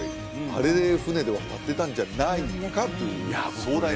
あれで舟で渡ってたんじゃないかといういやもうね